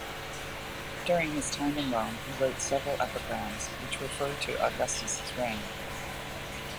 During his time in Rome, he wrote several epigrams, which refer to Augustus' reign.